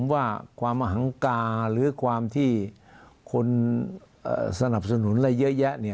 ว่าความมหังกาหรือความที่คนสนับสนุนอะไรเยอะแยะ